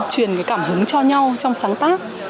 truyền cái cảm hứng cho nhau trong sáng tác